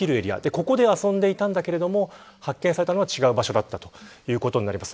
ここで遊んでいたんだけれども発見されたのは違う場所だったということになります。